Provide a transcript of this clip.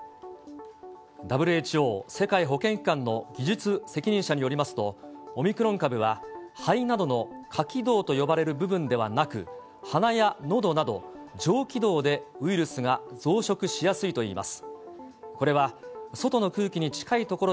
ＷＨＯ・世界保健機関の技術責任者によりますと、オミクロン株は肺などのか気道と呼ばれる部分ではなく、鼻やのどなど、上気道でウイルスが増殖しやすいといいます。